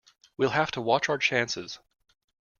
We'll have to watch our chances.